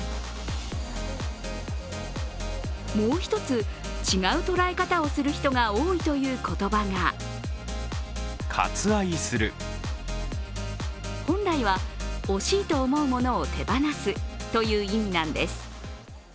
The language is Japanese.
もう一つ、違う捉え方をする人が多いという言葉が本来は惜しいと思うものを手放すという意味なんです。